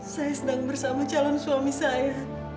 saya sedang bersama calon suami saya